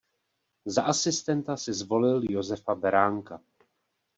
Za asistenta si zvolil Josefa Beránka.